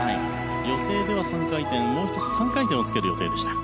予定では３回転にもう１つ３回転をつける予定でした。